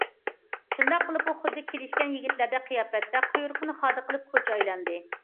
شۇنداق قىلىپ، ئۇ خۇددى كېلىشكەن يىگىتلەردەك قىياپەتتە، قۇيرۇقىنى خادا قىلىپ كوچا ئايلاندى.